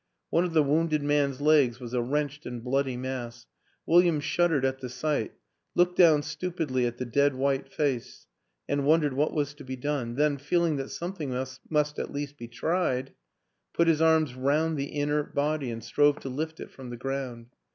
One of the wounded man's legs was a wrenched and bloody mass; William shud dered at the sight, looked down stupidly at the dead white face and wondered what was to be done then, feeling that something must at least be tried, put his arms round the inert body and strove to lift it from the ground.